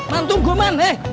man tunggu man